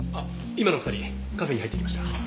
今の２人カフェに入っていきました。